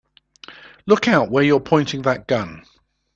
Look out where you're pointing that gun!